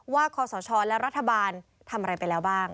คศและรัฐบาลทำอะไรไปแล้วบ้าง